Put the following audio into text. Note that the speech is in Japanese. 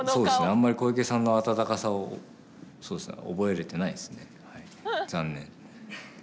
あんまり小池さんの温かさをそうですね覚えれてないですね。